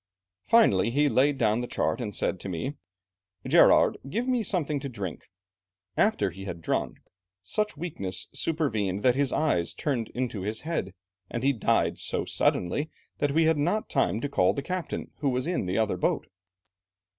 Finally, he laid down the chart, and said to me, 'Gerard, give me something to drink.' After he had drunk, such weakness supervened that his eyes turned in his head, and he died so suddenly that we had not time to call the captain, who was in the other boat.